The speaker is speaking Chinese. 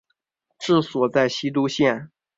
治所在西都县。